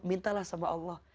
mintalah sama allah